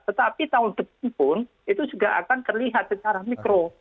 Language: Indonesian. tetapi tahun depan pun itu juga akan terlihat secara mikro